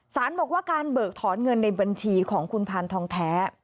สารบอกว่าการเบิกถอนเงินในบัญชีของคุณพานทองแท้